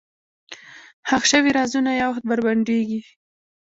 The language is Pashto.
ښخ شوي رازونه یو وخت بربنډېږي.